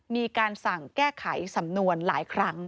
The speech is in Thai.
มีการสั่งแก้ไขสำนวนหลายครั้ง